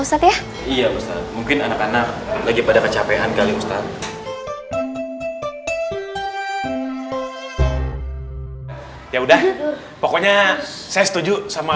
ustadz ya iya ustadz mungkin anak anak lagi pada kecapean kali ustadz ya udah pokoknya saya setuju sama